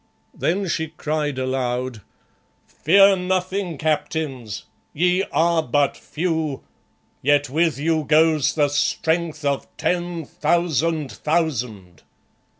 _" Then she cried aloud, "Fear nothing, Captains. Ye are but few, yet with you goes the strength of ten thousand thousand.